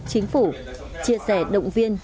chính phủ chia sẻ động viên